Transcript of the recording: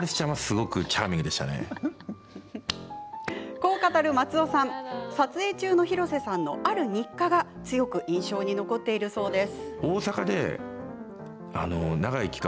こう語る松尾さん撮影中の広瀬さんの、ある日課が強く印象に残っているそうです。